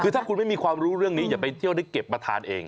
คือถ้าคุณไม่มีความรู้เรื่องนี้อย่าไปเที่ยวได้เก็บมาทานเอง